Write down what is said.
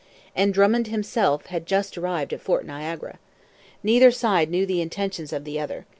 And Drummond himself had just arrived at Fort Niagara. Neither side knew the intentions of the other.